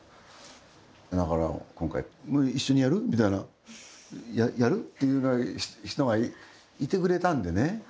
だから今回一緒にやる？みたいなやる？っていうような人がいてくれたんでね。